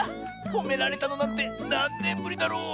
ほめられたのなんてなんねんぶりだろう。